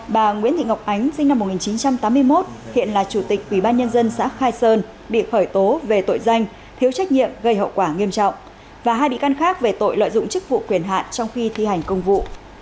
bà nguyễn thị ngọc ánh sinh năm một nghìn chín trăm tám mươi một hiện là chủ tịch ubnd xã khai sơn bị khởi tố về tội danh thiếu trách nhiệm gây hậu quả nghiêm trọng và hai bị can khác về tội lợi dụng chức vụ quyền hạn trong khi thi hành công vụ